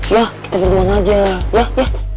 ya kita berduaan aja ya ya